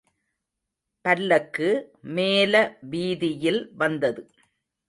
பல்லக்கு மேல வீதியில் வந்தது.